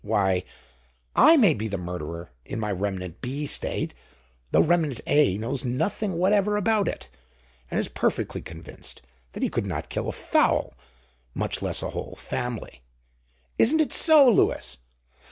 Why, I may be the murderer in my Remnant B. state, though Remnant A. knows nothing whatever about it, and is perfectly convinced that he could not kill a fowl, much less a whole family. Isn't it so, Lewis?"